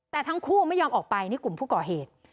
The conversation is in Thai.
แต่ทั้งคู่ไม่ยอมออกไปนี่กลุ่มผู้ก่อเหตุ